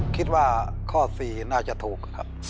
คิดว่าข้อ๔น่าจะถูกครับ